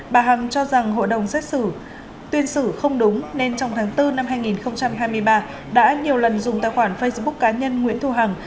bà hằng cho rằng hội đồng xét xử tuyên xử không đúng nên trong tháng bốn năm hai nghìn hai mươi ba đã nhiều lần dùng tài khoản facebook cá nhân nguyễn thu hằng